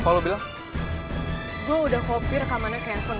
kalo lo gak mau rekamannya jatoh ke tangannya om andika dan karaman